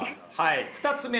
２つ目は？